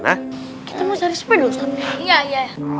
kita mau cari sepeda ya ya ya